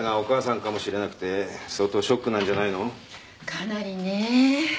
かなりね。